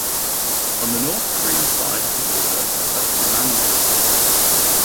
On the North Korean side of the border lies Tumangang.